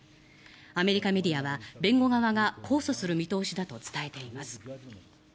アメリカメディアは、弁護側が控訴する見通しだと伝えています。